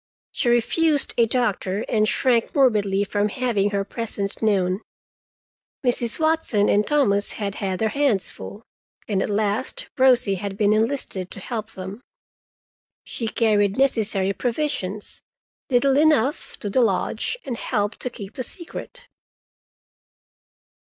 She refused a doctor, and shrank morbidly from having her presence known. Mrs. Watson and Thomas had had their hands full, and at last Rosie had been enlisted to help them. She carried necessary provisions—little enough—to the lodge, and helped to keep the secret.